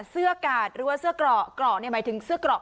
เสื้อก่าดหรือว่าเสื้อเกราะเกราะเนี้ยหมายถึงเสื้อเกราะ